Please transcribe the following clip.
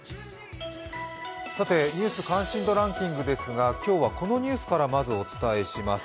「ニュース関心度ランキング」ですが今日はこのニュースからまずお伝えします。